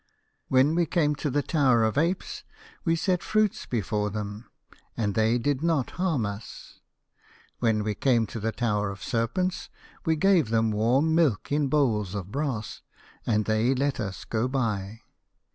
When we came to the Tower of Apes we set fruits before them, and they did not harm us. When we came to the Tower of Serpents we gave them warm milk in bowls of brass, and they let us go by.